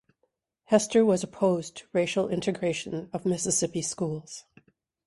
Hester was opposed to racial integration of Mississippi schools.